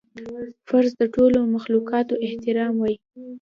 فرض د ټولو مخلوقاتو احترام وای